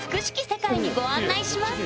世界にご案内します！